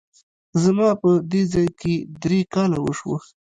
زما په دې ځای کي درې کاله وشوه !